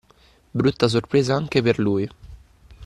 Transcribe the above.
Brutta sorpresa anche per lui.